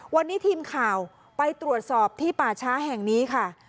วันนี้ทีมข่าวไปตรวจสอบที่ป่าช้าแห่งนี้ค่ะ